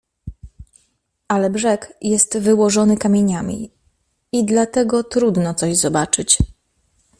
"Ale brzeg jest wyłożony kamieniami i dlatego trudno coś zobaczyć."